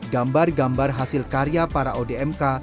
gambar gambar hasil karya para odmk